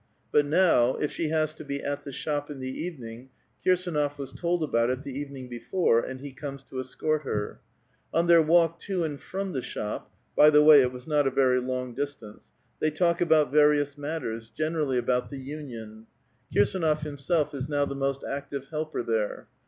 But now, if she has to be at the shop in the evening, Kirs^nof was told about it the evening before, and he comes to escort her. On their walk to and from the shop, — by the way, it was not a very long distance, — they Udk about various matters, generally about the union. Kirsdnof himself is now the most active helper there.